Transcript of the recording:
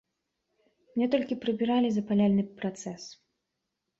Мне толькі прыбіралі запаляльны працэс.